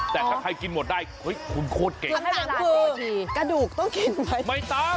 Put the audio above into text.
แต่ถ้าใครกินหมดได้เฮ้ยคุณโคตรเก่งธรรมดากระดูกต้องกินไหมไม่ต้อง